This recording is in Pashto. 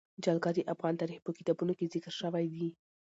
جلګه د افغان تاریخ په کتابونو کې ذکر شوی دي.